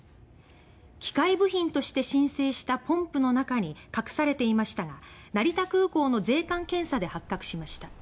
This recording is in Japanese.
機械部品として申請したポンプの中に隠されていましたが成田空港の税関検査で発覚しました。